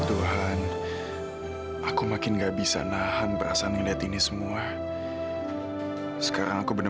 sampai jumpa di video selanjutnya